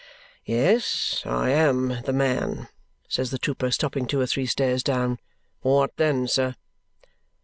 "Yes, I AM the man," says the trooper, stopping two or three stairs down. "What then, sir?"